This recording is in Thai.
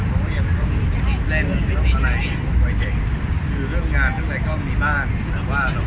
เขาต้องรู้ของหนู